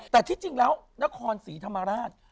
แต่ที่จริงแล้วนครศรีธรรมราช